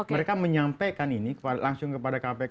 mereka menyampaikan ini langsung kepada kpk